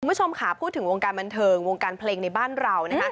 คุณผู้ชมค่ะพูดถึงวงการบันเทิงวงการเพลงในบ้านเรานะคะ